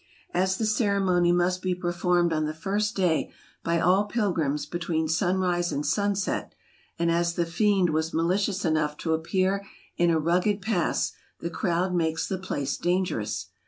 As the ceremony must be performed on the first day by all pilgrims between sunrise and sunset, and as the fiend was malicious enough to appear in a rugged pass, the crowd makes the place dangerous.